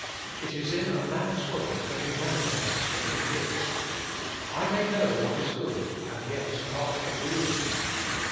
It is in a man's work that he manifests what he is. I may know what is good, and yet not approve it.